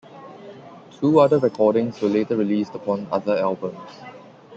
Two other recordings were later released upon other albums.